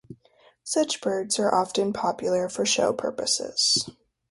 Such birds are often popular for show purposes.